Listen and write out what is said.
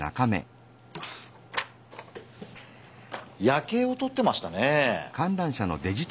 夜けいをとってましたね。